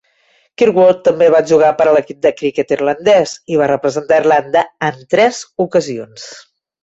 Kirkwood també va jugar per a l'equip de criquet irlandès, i va representar Irlanda en tres ocasions.